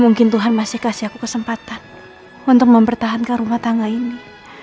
mungkin tuhan masih kasih aku kesempatan untuk mempertahankan rumah tangga ini